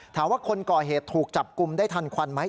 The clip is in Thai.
ถามว่าคนก่อเหตุถูกจับกลุ่มได้ทันควันไหม